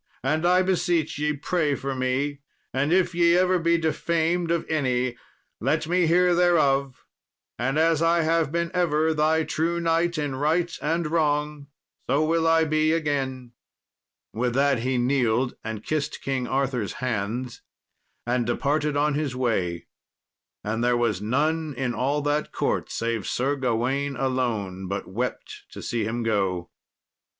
And, I beseech ye, pray for me, and if ye ever be defamed of any, let me hear thereof, and as I have been ever thy true knight in right and wrong, so will I be again." With that he kneeled and kissed King Arthur's hands, and departed on his way. And there was none in all that court, save Sir Gawain alone, but wept to see him go.